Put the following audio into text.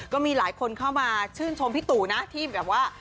ก็มีหลายคนเข้ามาชื่นชมพี่ตู่นะที่แบบว่า